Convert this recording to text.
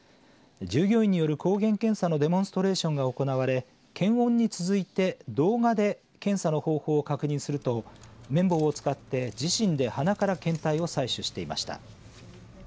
従業員による抗原検査のデモンストレーションが行われ検温に続いて、動画で検査の方法を確認すると綿棒を使って自身で鼻から検体を採取していました。